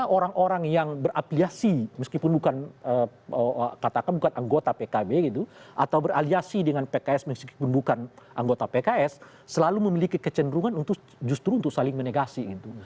orang orang yang berapiliasi meskipun bukan katakan bukan anggota pkb gitu atau beraliasi dengan pks meskipun bukan anggota pks selalu memiliki kecenderungan justru untuk saling menegasi gitu